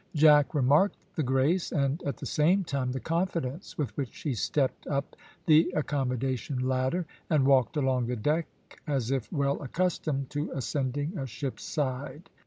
Jack remarked the grace and, at the same time, the confidence with which she stepped up the accommodation ladder, and walked along the deck as if well accustomed to ascending a ship's side.